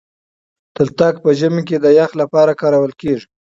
تلتک په ژمي کي د يخ لپاره کارول کېږي.